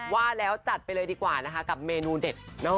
ว่าแล้วจัดไปเลยดีกว่านะคะกับเมนูเด็ด